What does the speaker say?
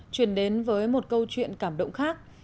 chuyển đến với một câu chuyện cảm động khác